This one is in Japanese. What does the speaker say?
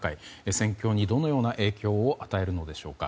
戦況にどのような影響を与えるのでしょうか。